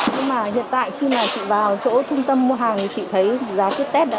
nhưng mà hiện tại khi mà chị vào chỗ trung tâm mua hàng thì chị thấy giá ký test đã bình ổn